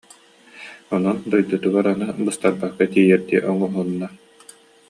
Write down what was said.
Онон дойдутугар аны быстарбакка тиийэрдии оҥоһунна